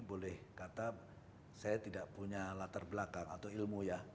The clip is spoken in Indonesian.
boleh kata saya tidak punya latar belakang atau ilmu ya